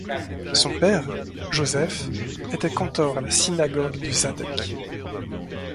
Son père, Josef, était cantor à la synagogue de Žatec.